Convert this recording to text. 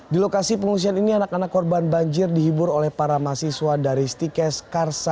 di lokasi pengungsian ini anak anak korban banjir dihibur oleh para mahasiswa dari stikes karsa